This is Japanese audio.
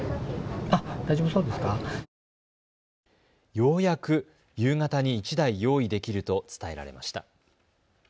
ようやく夕方に１台用意できると伝えられました。